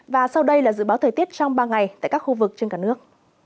và sau đây là dự báo thời tiết trong ba ngày tại các khu vực trên cả nước